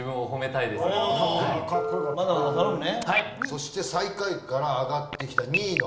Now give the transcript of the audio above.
そして最下位から上がってきた２位の林君。